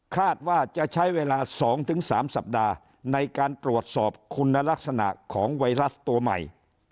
คาดว่าจะใช้เวลา๒๓สัปดาห์ในการตรวจสอบคุณลักษณะของไวรัสตัวใหม่